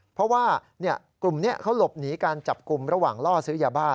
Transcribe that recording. เพราะว่ากลุ่มนี้เขาหลบหนีการจับกลุ่มระหว่างล่อซื้อยาบ้า